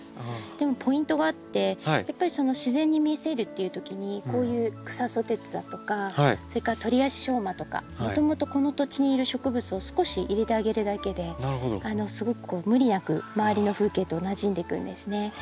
でもポイントがあってやっぱり自然に見せるっていうときにこういうクサソテツだとかそれからトリアシショウマとかもともとこの土地にいる植物を少し入れてあげるだけですごく無理なく周りの風景となじんでいくんですね。